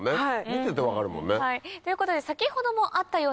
見てて分かるもんね。ということで先ほどもあったようにですね